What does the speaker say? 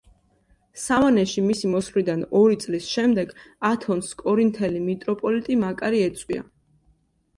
სავანეში მისი მოსვლიდან ორი წლის შემდეგ ათონს კორინთელი მიტროპოლიტი მაკარი ეწვია.